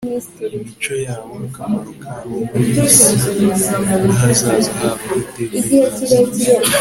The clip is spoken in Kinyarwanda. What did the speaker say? imico yabo, akamaro kabo muri iyi si, n'ahazaza habo h'iteka ryose